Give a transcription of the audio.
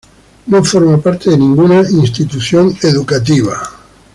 No forma parte de ninguna institución educativa.